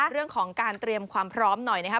เรื่องของการเตรียมความพร้อมหน่อยนะครับ